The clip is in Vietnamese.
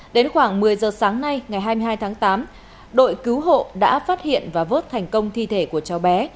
đến khoảng một mươi giờ sáng nay ngày hai mươi hai tháng tám đội cứu hộ đã phát hiện và vớt thành công thi thể của cháu bé